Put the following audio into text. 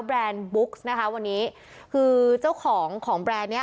แรนด์บุ๊กนะคะวันนี้คือเจ้าของของแบรนด์เนี้ย